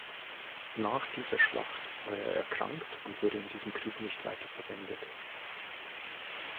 Nach dieser Schlacht war er erkrankt und wurde in diesem Krieg nicht weiter verwendet.